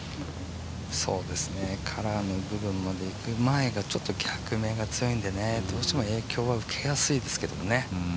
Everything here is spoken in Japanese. カラーの部分まで行く前に逆目が強いんでどうしても影響受けやすいですけどね。